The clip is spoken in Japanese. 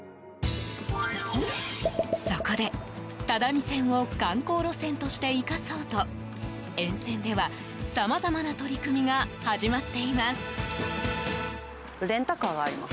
そこで、只見線を観光路線として生かそうと沿線では、さまざまな取り組みが始まっています。